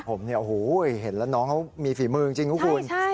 ผมเนี่ยเห็นแล้วน้องเขามีฝีมือจริงคุณคุณ